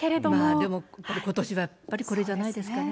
でも、やっぱり、ことしはやっぱりこれじゃないですかね。